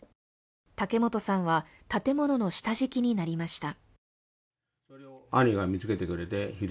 竹本さんは建物の下敷きになりました。